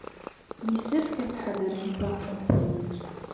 Yessefk ad tḥadremt ɣef umtiweg.